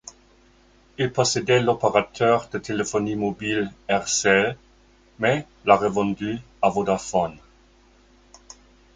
Il possédait l'opérateur de téléphonie mobile Eircell, mais l'a revendu à Vodafone.